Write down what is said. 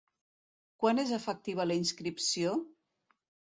Quan és efectiva la inscripció?